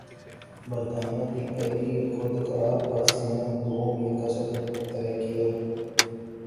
برطانیہ کی پہلی خودکار بس نے دو میل کا سفر طے کیا